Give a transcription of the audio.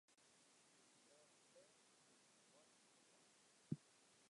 Ik siet lêsten fêst tusken de doarren fan in tram.